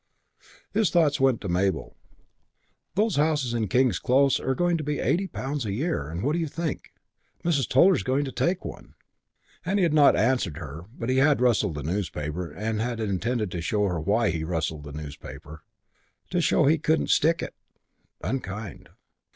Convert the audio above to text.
His thoughts went to Mabel. "Those houses in King's Close are going to be eighty pounds a year, and what do you think, Mrs. Toller is going to take one." And he had not answered her but had rustled the newspaper and had intended her to know why he had rustled the paper: to show he couldn't stick it! Unkind.